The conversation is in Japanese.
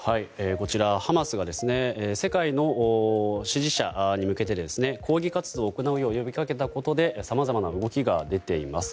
ハマスが世界の支持者に向けて抗議活動を行うよう呼び掛けたことでさまざまな動きが出ています。